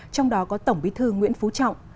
trong đó có tổng bí thư nguyễn phú trọng